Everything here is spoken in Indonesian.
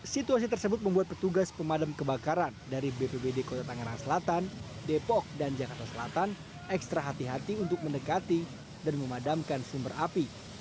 situasi tersebut membuat petugas pemadam kebakaran dari bpbd kota tangerang selatan depok dan jakarta selatan ekstra hati hati untuk mendekati dan memadamkan sumber api